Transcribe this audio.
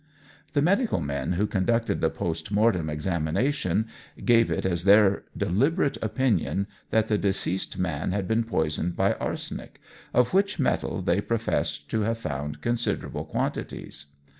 The medical men who conducted the post mortem examination gave it as their deliberate opinion that the deceased man had been poisoned by arsenic, of which metal they professed to have found considerable quantities.